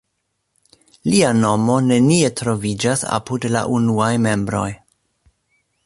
Lia nomo nenie troviĝas apud la unuaj membroj.